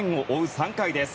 ３回です。